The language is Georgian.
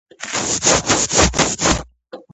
კომპოზიტორმა მოითხოვა გადადგომა.